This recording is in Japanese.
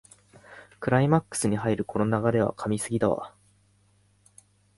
クライマックスに入るこの流れは神すぎだわ